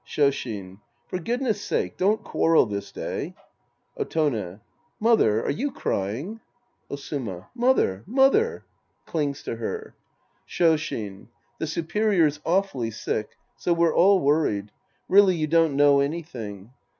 Shoshin. For goodness' sake, don't quarrel this day. Otone. Mother, are you crying ? Sc. 1 The Priest and His Disciples 217 Osiima. Mother, mother. {Clings to her.) Shoshin. The superior's awfully sick. So we're all worried. Really, you don't know anything.